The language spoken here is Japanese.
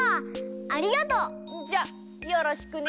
ありがとう！じゃよろしくね。